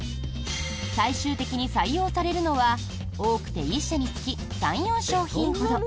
最終的に採用されるのは多くて１社につき３４商品ほど。